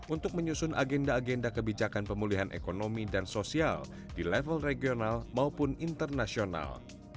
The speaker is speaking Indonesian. untuk menyusun agenda agenda kebijakan pemulihan ekonomi dan sosial di level regional maupun internasional